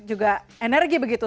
juga energi begitu